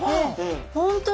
本当だ。